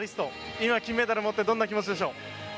今、金メダルを持ってどんな気持ちでしょう。